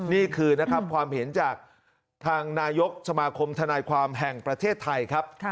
นี่คือนะครับความเห็นจากทางนายกสมาคมธนายความแห่งประเทศไทยครับ